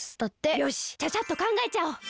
よしちゃちゃっとかんがえちゃおう。